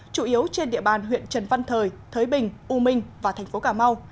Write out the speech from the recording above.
chủ yếu trên địa bàn huyện trần văn thời thới bình u minh và thành phố cà mau